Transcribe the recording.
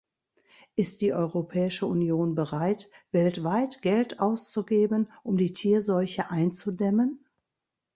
Ist die Europäische Union bereit, weltweit Geld auszugeben, um die Tierseuche einzudämmen?